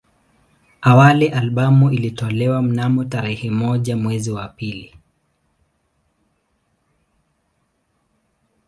Awali albamu ilitolewa mnamo tarehe moja mwezi wa pili